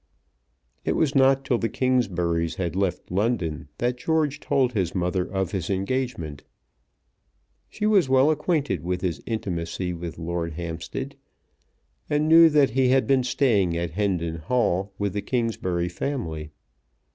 It was not till the Kingsburys had left London that George told his mother of his engagement. She was well acquainted with his intimacy with Lord Hampstead, and knew that he had been staying at Hendon Hall with the Kingsbury family.